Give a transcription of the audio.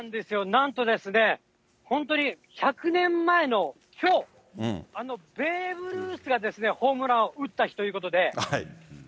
なんとですね、本当に１００年前のきょう、あのベーブ・ルースがホームランを打った日ということで。